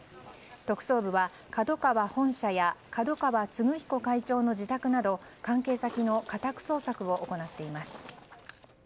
特捜部はＫＡＤＯＫＡＷＡ本社や角川歴彦会長の自宅など関係先の家宅捜索を行っています。